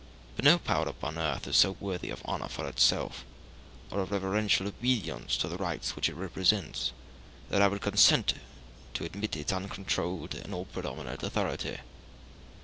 But no power upon earth is so worthy of honor for itself, or of reverential obedience to the rights which it represents, that I would consent to admit its uncontrolled and all predominant authority.